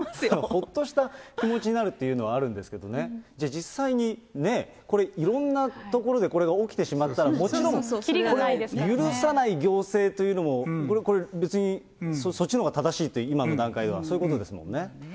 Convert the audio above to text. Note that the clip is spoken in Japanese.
ほっとした気持ちになるっていうのはあるんですけどね、じゃあ、実際にね、これ、いろんな所でこれが起きてしまったら、もちろん、これを許さない行政というのも、別にそっちのほうが正しいって、今の段階では、そういうことですもんね。